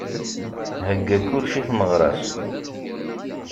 Thegga kullec i tmeɣra-s.